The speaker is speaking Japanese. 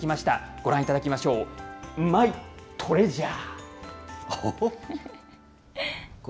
ご覧いただきましょう、マイトレジャー。